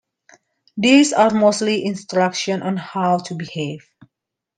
These are mostly instructions on how to behave.